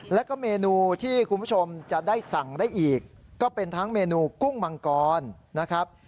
แล้วก็เมนูที่คุณผู้ชมจะได้สั่งได้อีกก็เป็นทั้งเมนูกุ้งมังกรนะครับ